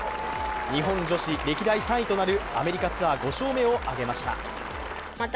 日本女子歴代３位となるアメリカツアー５勝目を挙げました。